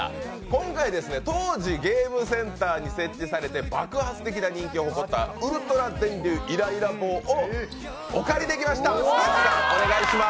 今回、当時ゲームセンターに設置されて爆発的な人気を誇ったウルトラ電流イライラ棒をお借りできました。